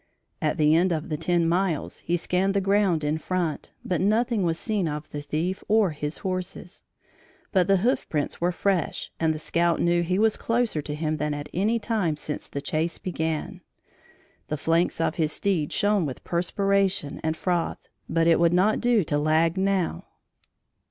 At the end of the ten miles he scanned the ground in front, but nothing was seen of the thief or his horses; but the hoof prints were fresh and the scout knew he was closer to him than at any time since the chase began. The flanks of his steed shone with perspiration and froth, but it would not do to lag now.